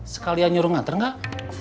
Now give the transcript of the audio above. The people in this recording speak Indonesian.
sekalian nyuruh nganter gak